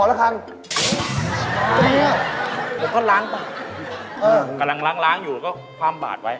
อือกำลังล้างอยู่แล้วด้วยความบาดไว้